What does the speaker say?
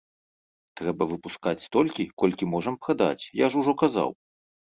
Трэба выпускаць столькі, колькі можам прадаць, я ж ужо казаў.